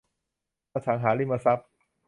อสังหาริมทรัพย์